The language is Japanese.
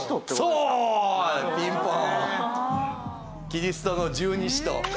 キリストの１２使徒。